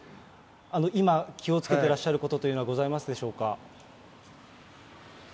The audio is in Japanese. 今、気をつけてらっしゃることというのは、ございますでしょうか。